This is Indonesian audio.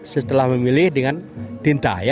setelah memilih dengan tinta